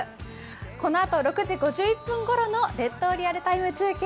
このあと６時５１分ごろの「列島リアルＴＩＭＥ！中継」。